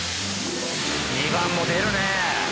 ２番も出るね！